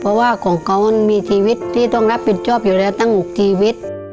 เพราะว่าของเขามันมีชีวิตที่ต้องรับผิดชอบอยู่แล้วตั้ง๖ชีวิต